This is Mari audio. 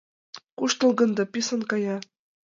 Куштылгын да писын кая.